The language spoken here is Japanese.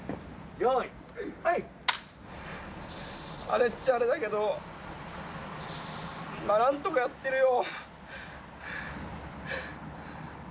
あれっちゃあれだけどまあ、何とかやってるよ。